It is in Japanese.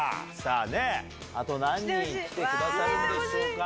あと何人来てくださるんでしょうか？